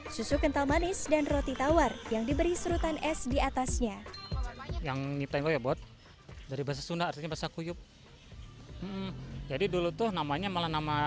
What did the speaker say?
susu kental manis dan roti tawar yang diberi serutan es diatasnya